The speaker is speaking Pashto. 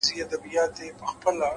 مثبت چلند ستونزې سپکوي’